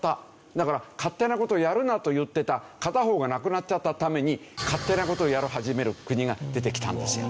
だから勝手な事をやるなと言ってた片方がなくなっちゃったために勝手な事をやり始める国が出てきたんですよ。